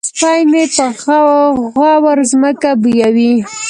سپی مې په غور ځمکه بویوي.